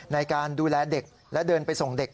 ในการดูแลเด็กและเดินไปส่งเด็ก